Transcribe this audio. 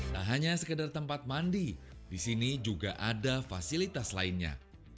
tak hanya sekedar tempat mandi di sini juga ada fasilitas lainnya